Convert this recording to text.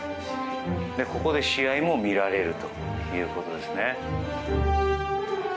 ここで試合も見られるということですね。